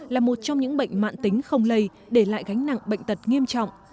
là một trong những bệnh mạng tính không lây để lại gánh nặng bệnh tật nghiêm trọng